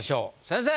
先生。